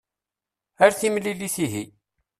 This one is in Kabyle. Ar timlilit ihi.